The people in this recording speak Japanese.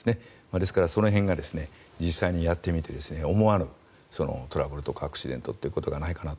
ですから、その辺が実際にやってみて思わぬトラブルとかアクシデントということがないかなと。